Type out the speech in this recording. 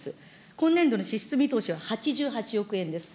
今年度の支出見通しは８８億円です。